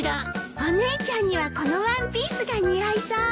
お姉ちゃんにはこのワンピースが似合いそう。